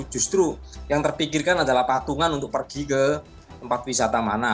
justru yang terpikirkan adalah patungan untuk pergi ke tempat wisata mana